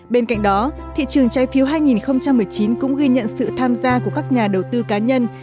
bên cạnh đó thị trường trái phiếu hai nghìn một mươi chín cũng ghi nhận sự tham gia của các nhà đầu tư cá nhân